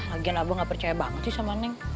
lagian abah gak percaya banget sih sama neng